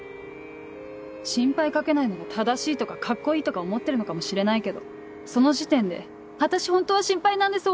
心配掛けないのが正しいとかカッコいいとか思ってるのかもしれないけどその時点で「私本当は心配なんです」